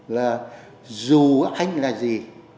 là dù anh là gì